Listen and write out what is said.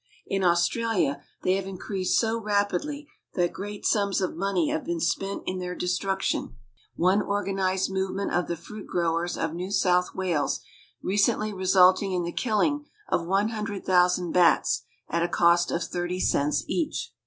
In Australia they have increased so rapidly that great sums of money have been spent in their destruction, one organized movement of the fruit growers of New South Wales recently resulting in the killing of 100,000 bats at a cost of 30 cents each.